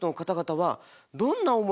はい！